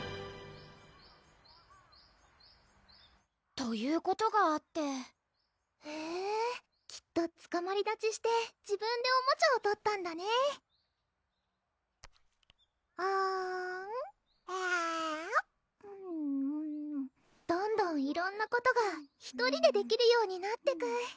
ということがあってへぇきっとつかまり立ちして自分でおもちゃを取ったんだねあんえるぅどんどん色んなことが１人でできるようになってく